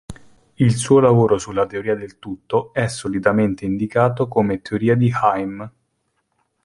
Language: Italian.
Il suo lavoro sulla teoria del tutto è solitamente indicato come teoria di Heim.